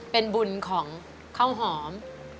เป็นบุญของข้าวหอม